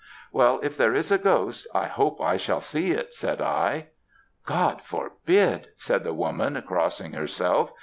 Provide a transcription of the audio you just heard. "'Well, if there is a ghost, I hope I shall see it,' said I. "'God forbid!' said the woman, crossing herself.